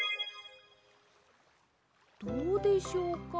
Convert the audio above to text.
どうでしょうか？